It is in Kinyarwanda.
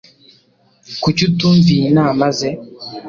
Kuki utumviye inama ze?